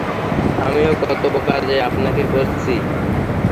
আমিও কত বোকা যে আপনাকে বলেছি।